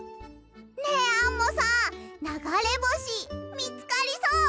ねえアンモさんながれぼしみつかりそう？